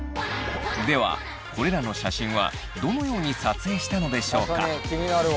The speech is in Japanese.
ではこれらの写真はどのように撮影したのでしょうか？